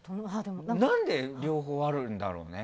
何で、両方あるんだろうね。